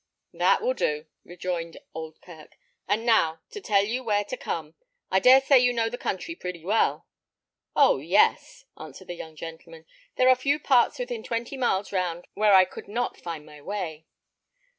"That will do," rejoined Oldkirk. "And now, to tell you where to come. I dare say you know the country pretty well?" "Oh! yes," answered the young gentleman; "there are few parts within twenty miles round where I could not find my way."